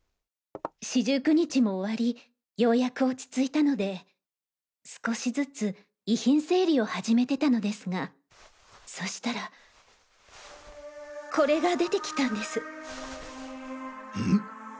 四十九日も終わりようやく落ち着いたので少しずつ遺品整理を始めてたのですがそうしたらこれが出てきたんです。